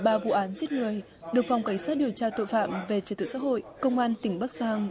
đó chỉ là ba vụ án giết người được phòng cảnh sát điều tra tội phạm về trật tự xã hội công an tỉnh bắc giang